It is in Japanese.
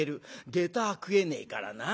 下駄は食えねえからな。